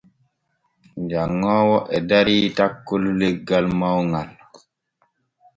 Janŋoowo e darii takkol leggal mawŋal.